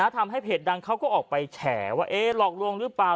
ทำให้เพจดังเขาก็ออกไปแฉว่าหลอกลวงหรือเปล่า